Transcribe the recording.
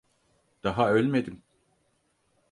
Daha ölmedim.